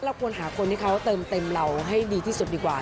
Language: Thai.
ควรหาคนที่เขาเติมเต็มเราให้ดีที่สุดดีกว่า